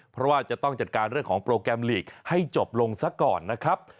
เพราะว่าจะต้องจัดการเรื่องของโปรแกรมลีกให้จบลงซะก่อนนะครับ